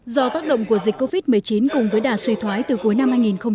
do tác động của dịch covid một mươi chín cùng với đà suy thoái từ cuối năm hai nghìn hai mươi